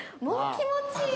もう気持ち。